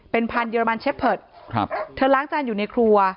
เป็นพันธุเรมันเชฟเพิร์ตครับเธอล้างจานอยู่ในครัว